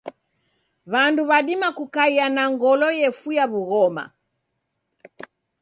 Wandu wadima kukaia na ngolo yefuya wughoma.